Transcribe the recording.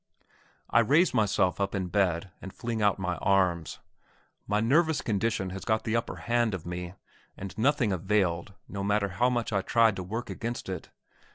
I raise myself up in bed and fling out my arms. My nervous condition has got the upper hand of me, and nothing availed, no matter how much I tried to work against it.